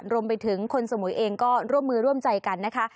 รวมไปถึงคนสมุยเองก็ร่วมมือร่วมใจกันนะคะ